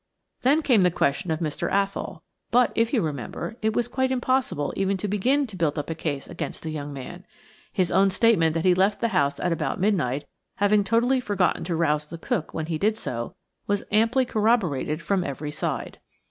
Then came the question of Mr. Athol. But, if you remember, it was quite impossible even to begin to build up a case against the young man. His own statement that he left the house at about midnight, having totally forgotten to rouse the cook when he did so, was amply corroborated from every side.